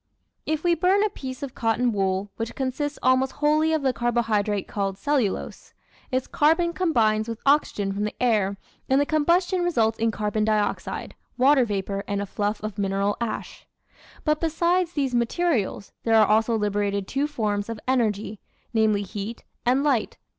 If we burn a piece of cotton wool, which consists almost wholly of the carbohydrate called cellulose, its carbon combines with oxygen from the air, and the combustion results in carbon dioxide, water vapour, and a fluff of mineral ash. But besides these materials there are also liberated two forms of energy, namely heat and light.